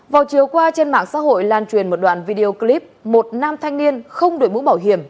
vào chiều qua trên mạng xã hội lan truyền một đoạn video clip một nam thanh niên không đổi mũ bảo hiểm